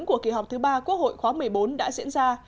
của kỳ họp thứ ba quốc hội khóa một mươi bốn đã diễn ra